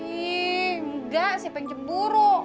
ih enggak siapa yang cemburu